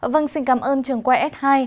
vâng xin cảm ơn trường quay s hai